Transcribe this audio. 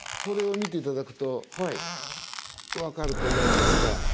これを見ていただくと分かると思うんですが。